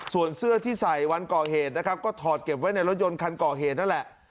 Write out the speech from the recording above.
ส่วนเสื้อที่ใส่วันก่อเหตุนะครับก็ถอดเก็บไว้ในรถยนต์คันก่อเหตุนั่นแหละ